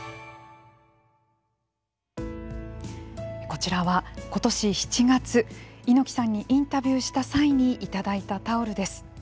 こちらは今年７月猪木さんにインタビューした際に頂いたタオルです。